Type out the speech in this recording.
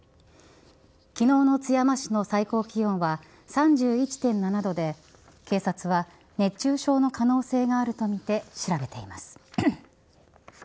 昨日の津山市の最高気温は３１．７度で警察は熱中症の可能性があるとみて調べています。